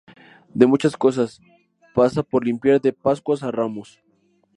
de muchas cosas. pasa por limpiar de Pascuas a Ramos.